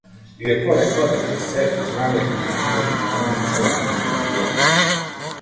Иако рекоа дека се, знаев дека не можам да променам ништо во конечната верзија.